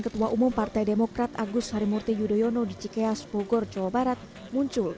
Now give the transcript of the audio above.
ketua umum partai demokrat agus harimurti yudhoyono di cikeas bogor jawa barat muncul